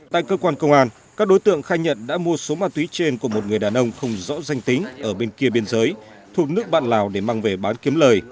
tại cơ quan công an các đối tượng khai nhận đã mua số ma túy trên của một người đàn ông không rõ danh tính ở bên kia biên giới thuộc nước bạn lào để mang về bán kiếm lời